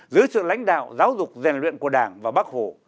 giữa sự lãnh đạo giáo dục rèn luyện của đảng và bắc hổ